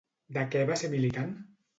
De què va ser militant?